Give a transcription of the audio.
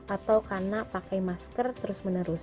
atau karena pakai masker terus menerus